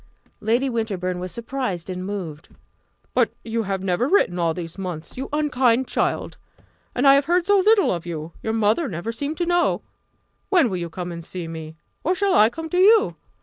Lady Winterbourne was surprised and moved. "But you have never written all these months, you unkind child! And I have heard so little of you your mother never seemed to know. When will you come and see me or shall I come to you?